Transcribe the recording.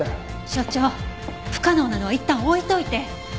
所長不可能なのはいったん置いといてとにかく。